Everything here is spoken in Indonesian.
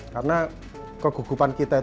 karena kegugupan kita